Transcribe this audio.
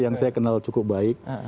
yang saya kenal cukup baik